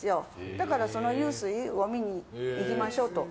だからその湧水を見に行きましょうと。